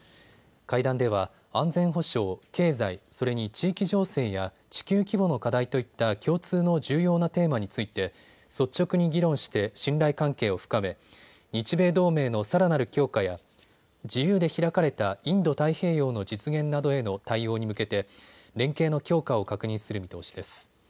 会談では安全保障、経済、それに地域情勢や地球規模の課題といった共通の重要なテーマについて率直に議論して信頼関係を深め、日米同盟のさらなる強化や自由で開かれたインド太平洋の実現などへの対応に向けて連携の強化を確認する見通しです。